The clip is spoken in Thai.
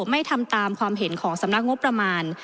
ไม่ทำตามความเห็นของสำนักงบประมาณ